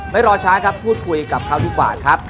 รอช้าครับพูดคุยกับเขาดีกว่าครับ